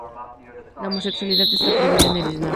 La homosexualidad está prohibida en el islam.